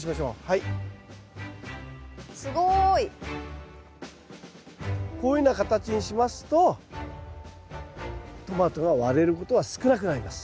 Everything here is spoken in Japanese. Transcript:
すごい。こういうふうな形にしますとトマトが割れることは少なくなります。